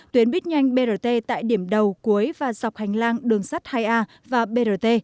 tuyến buýt nhanh brt tại điểm đầu cuối và dọc hành lang đường sắt hai a và brt